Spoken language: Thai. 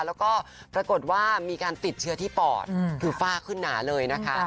แล้วก็ปรากฏว่ามีการติดเชื้อที่ปอดคือฝ้าขึ้นหนาเลยนะคะ